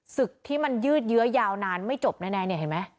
ศึกที่มันยืดเยื้อยาวนานไม่จบแน่เนี่ยเห็นไหม